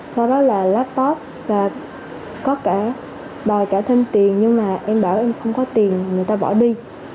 sau đó là laptop và có cả đòi trả thêm tiền nhưng mà em bảo em không có tiền người ta bỏ đi